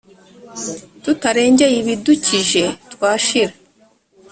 tutarengeye ibidukije twashira